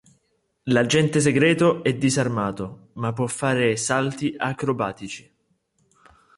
L'agente segreto è disarmato, ma può fare salti acrobatici.